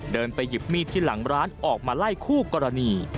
ไปหยิบมีดที่หลังร้านออกมาไล่คู่กรณี